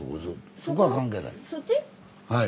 そこは関係ない？